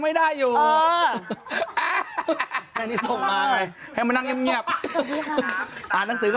เอ๊ไม่บอกนะไม่มีทุกอย่างมันตรงคือมโน